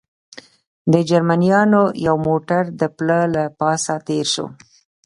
د جرمنیانو یو موټر د پله له پاسه تېر شو.